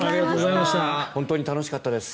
本当に楽しかったです。